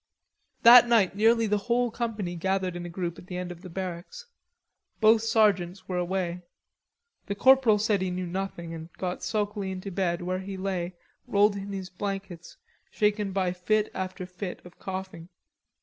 That night nearly the whole company gathered in a group at the end of the barracks. Both sergeants were away. The corporal said he knew nothing, and got sulkily into bed, where he lay, rolled in his blankets, shaken by fit after fit of coughing.